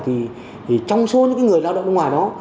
thì trong số những người lao động nước ngoài đó